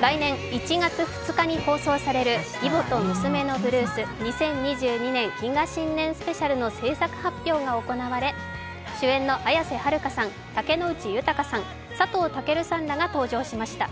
来年１月２日に放送される「義母と娘のブルース２０２２年謹賀新年スペシャル」の制作発表が行われ、主演の綾瀬はるかさん、竹野内豊さん、佐藤健さんらが登場しました。